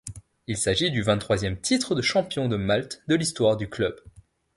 Il s'agit du vingt-troisième titre de champion de Malte de l'histoire du club.